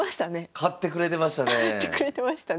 買ってくれてましたね。